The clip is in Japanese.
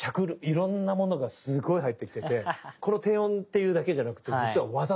いろんなものがすごい入ってきててこの低音っていうだけじゃなくて実は技としてすごく多い。